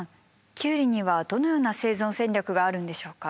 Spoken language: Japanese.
キュウリにはどのような生存戦略があるんでしょうか？